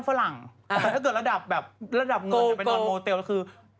แต่ถ้าเกิดระดับเงินถึงโมเซลกูดี